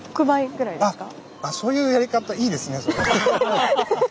あっそういうやり方いいですねそれ。